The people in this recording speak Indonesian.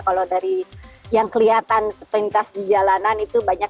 kalau dari yang kelihatan sepentas di jalanan itu banyak